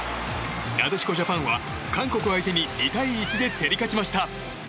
なでしこジャパンは韓国を相手に２対１で競り勝ちました。